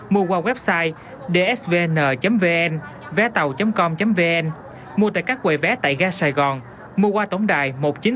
mua qua website dsvn vn vétao com vn mua tại các quầy vé tại gia sài gòn mua qua tổng đài một chín không không một năm hai không